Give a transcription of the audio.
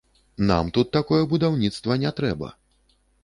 Нам тут такое будаўніцтва не трэба.